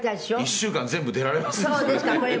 「１週間全部出られますねそれ」